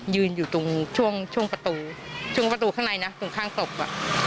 ยืนอยู่ตรงช่วงช่วงประตูช่วงประตูข้างในนะตรงข้างศพ